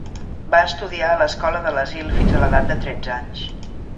Va estudiar en l'escola de l'asil fins a l'edat de tretze anys.